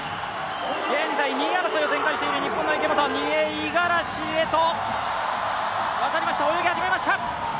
現在、２位争いを展開している日本の池本、２泳・五十嵐へと渡りました。